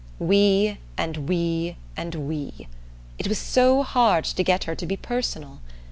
"We" and "we" and "we" it was so hard to get her to be personal.